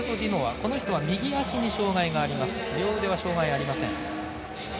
両足に障がいはありません。